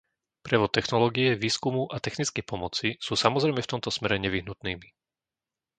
Prevod technológie, výskumu a technickej pomoci sú samozrejme v tomto smere nevyhnutnými .